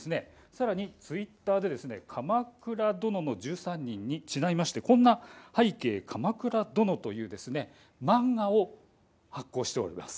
さらにツイッターで「鎌倉殿の１３人」にちなんで「拝啓、鎌倉殿！」という漫画も発行しています。